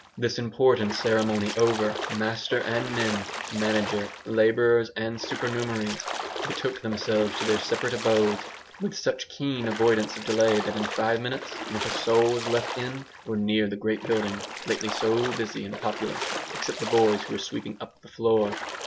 This important ceremony over, master and men, manager, labourers and supernumeraries, betook themselves to their separate abodes, with such keen avoidance of delay that in five minutes not a soul was left in or near the great building lately so busy and populous, except the boys who were sweeping up the floor.